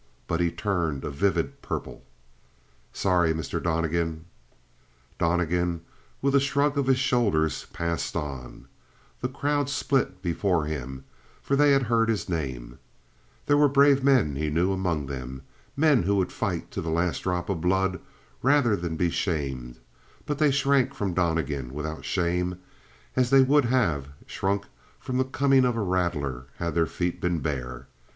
But he turned a vivid purple. "Sorry, Mr. Donnegan." Donnegan, with a shrug of his shoulders, passed on. The crowd split before him, for they had heard his name. There were brave men, he knew, among them. Men who would fight to the last drop of blood rather than be shamed, but they shrank from Donnegan without shame, as they would have shrunk from the coming of a rattler had their feet been bare.